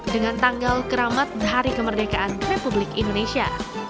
dengan tanggal keramat hari kemerdekaan republik indonesia